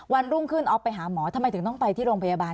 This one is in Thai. วันรุ่งขึ้นออฟไปหาหมอทำไมถึงต้องไปที่โรงพยาบาล